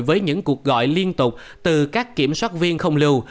với những cuộc gọi liên tục từ các kiểm soát viên không lưu